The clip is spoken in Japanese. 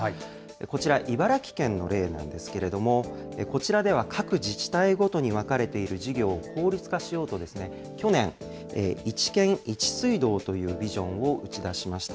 こちら、茨城県の例なんですけれども、こちらでは各自治体ごとに分かれている事業を効率化しようと、去年、１県１水道というビジョンを打ち出しました。